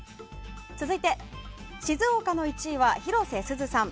続いて静岡の１位は広瀬すずさん。